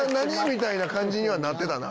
みたいな感じにはなってたな。